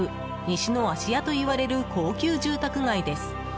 西の芦屋といわれる高級住宅街です。